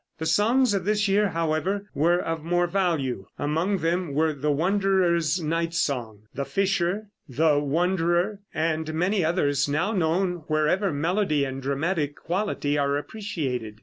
The songs of this year, however, were of more value. Among them were the "Wanderer's Night Song," the "Fisher," the "Wanderer" and many others now known wherever melody and dramatic quality are appreciated.